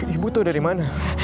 ibu tau dari mana